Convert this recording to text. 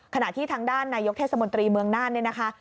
ขณะที่ทางด้านนายกเทศมนตรีเมืองน่านเนี่ยนะคะ